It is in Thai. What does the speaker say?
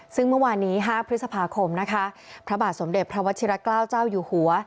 ซึ่งเมื่อวันนี้๕พฤษภาคมพระบาทสมเด็จพระวัชฌีรกราชเจ้าอยู่หัว